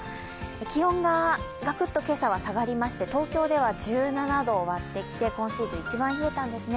気温がガクッと今朝は下がりまして東京では１７度を割ってきて今シーズン一番冷えたんですね。